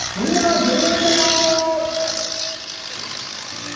グリーンだよ」。